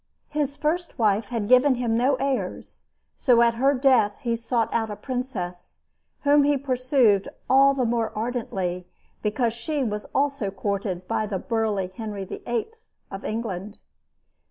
His first wife had given him no heirs; so at her death he sought out a princess whom he pursued all the more ardently because she was also courted by the burly Henry VIII. of England.